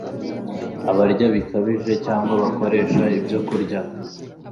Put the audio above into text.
Abarya bikabije, cyangwa bakoresha ibyokurya